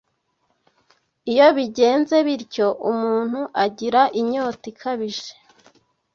Iyo bigenze bityo, umuntu agira inyota ikabije